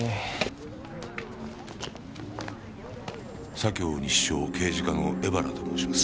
左京西署刑事課の江原と申します。